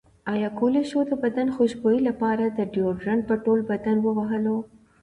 ایا کولی شو د بدن خوشبویۍ لپاره ډیوډرنټ په ټول بدن ووهلو؟